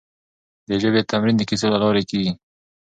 د ژبې تمرين د کيسو له لارې وکړئ.